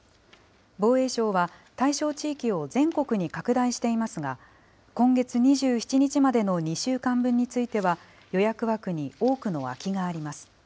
防衛省は対象地域を全国に拡大していますが、今月２７日までの２週間分については、予約枠に多くの空きがあります。